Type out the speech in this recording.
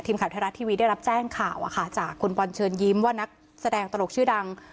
ทีมข่าวไทยรัฐทีวีได้รับแจ้งข่าวจากคุณบอลเชิญยิ้มว่านักแสดงตลกชื่อดัง